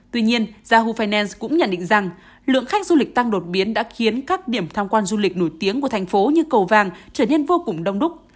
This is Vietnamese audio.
tuy nhiên zahu finance cũng nhận định rằng lượng khách du lịch tăng đột biến đã khiến các điểm tham quan du lịch nổi tiếng của thành phố như cầu vàng trở nên vô cùng đông đúc